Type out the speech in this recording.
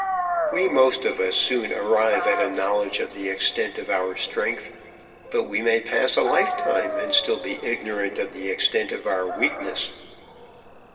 We most of us soon arrive at a knowledge of the extent of our strength, but we may pass a lifetime and be still ignorant of the extent of our weakness.